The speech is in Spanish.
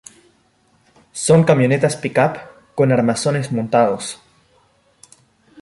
Son camionetas pick up con armazones montados.